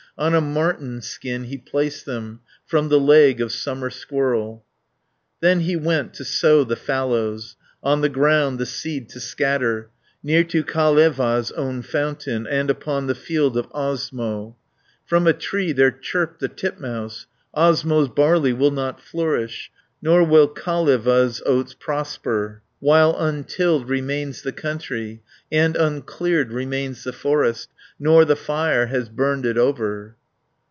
In a marten's skin he placed them, From the leg of summer squirrel. Then he went to sow the fallows; On the ground the seeds to scatter, Near to Kaleva's own fountain, And upon the field of Osmo. 250 From a tree there chirped the titmouse: "Osmo's barley will not flourish, Nor will Kaleva's oats prosper, While untilled remains the country, And uncleared remains the forest, Nor the fire has burned it over."